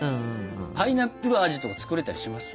パイナップル味とか作れたりします？